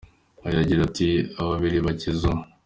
Oya, gira uti “Ababiri bakize umwe”.